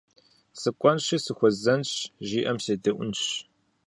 Сыкӏуэнщи сыхуэзэнщ, жиӏэм седэӏуэнщ.